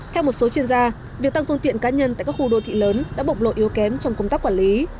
theo một số chuyên gia việc tăng phương tiện cá nhân tại các khu đô thị lớn đã bộc lộ yếu kém trong công tác quản lý